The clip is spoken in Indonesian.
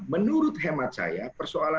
menurut hemat saya persoalan ini ada